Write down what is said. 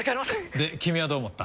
で君はどう思った？